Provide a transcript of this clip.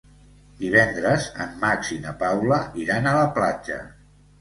Divendres en Max i na Paula iran a la platja.